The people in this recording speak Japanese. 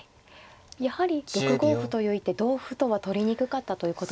やはり６五歩という一手同歩とは取りにくかったということですか。